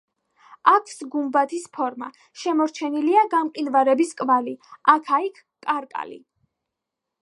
აქვს გუმბათის ფორმა, შემორჩენილია გამყინვარების კვალი, აქა-იქ კარკალი.